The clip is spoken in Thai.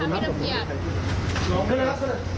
กังวลเลยไหมคะพี่นำเกียจ